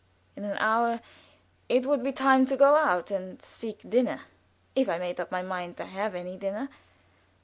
In an hour it would be time to go out and seek dinner, if I made up my mind to have any dinner.